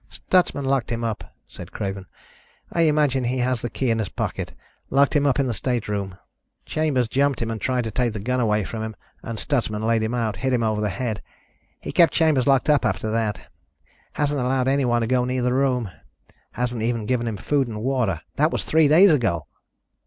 "Stutsman locked him up," said Craven. "I imagine he has the key in his pocket. Locked him up in the stateroom. Chambers jumped him and tried to take the gun away from him and Stutsman laid him out, hit him over the head. He kept Chambers locked up after that. Hasn't allowed anyone to go near the room. Hasn't even given him food and water. That was three days ago."